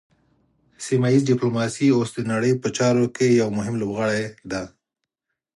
سیمه ایز ډیپلوماسي اوس د نړۍ په چارو کې یو مهم لوبغاړی دی